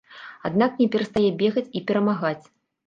Аднак не перастае бегаць і перамагаць.